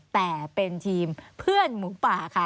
แต่เป็นทีมเพื่อนหมูป่าค่ะ